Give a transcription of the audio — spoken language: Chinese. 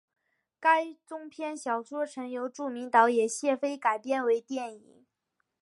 该中篇小说曾由著名导演谢飞改编为电影。